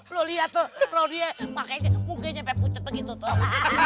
lo lihat tuh kalau dia pakenya mungkanya sampai pucat begitu tuh